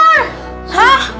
apaan sih yang gaul